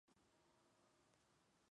Tuvo críticas mixtas, Kerrang!